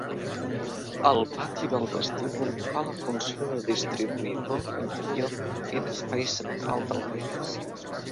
El pati del vestíbul fa la funció de distribuïdor interior i d'espai central de l'edifici.